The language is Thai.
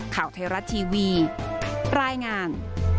ข่าวไทยรัฐทีวีรายงาน